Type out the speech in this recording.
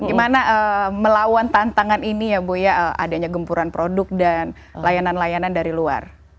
gimana melawan tantangan ini ya bu ya adanya gempuran produk dan layanan layanan dari luar